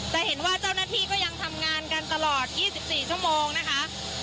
จะเห็นว่าเจ้าหน้าที่ก็ยังทำงานกันตลอด๒๔ชั่วโมงนะคะ